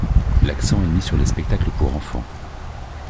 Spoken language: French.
L'accent est mis sur les spectacles pour enfants.